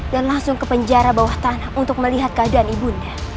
dan langsung ke penjara bawah tanah untuk melihat keadaan ibunya